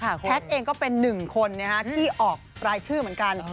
แท็กเองก็เป็นหนึ่งคนที่ออกรายชื่อเหมือนกัน